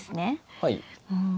はい。